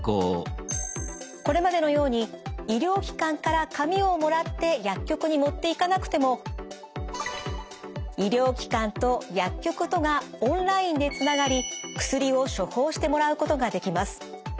これまでのように医療機関から紙をもらって薬局に持っていかなくても医療機関と薬局とがオンラインでつながり薬を処方してもらうことができます。